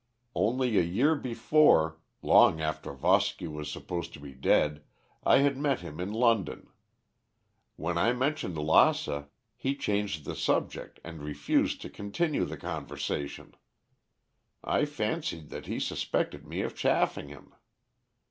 Only a year before, long after Voski was supposed to be dead, I had met him in London. When I mentioned Lassa he changed the subject and refused to continue the conversation. I fancied that he suspected me of chaffing him.